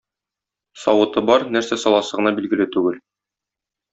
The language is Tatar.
Савыты бар, нәрсә саласы гына билгеле түгел.